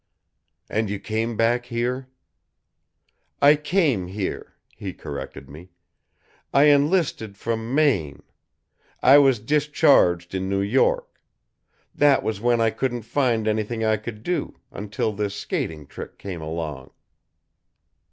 "And you came back here?" "I came here," he corrected me. "I enlisted from Maine. I was discharged in New York. That was when I couldn't find anything I could do, until this skating trick came along."